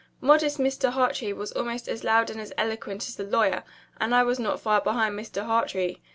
Modest Mr. Hartrey was almost as loud and as eloquent as the lawyer, and I was not far behind Mr. Hartrey.